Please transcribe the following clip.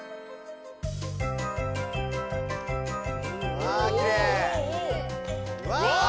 わあきれい！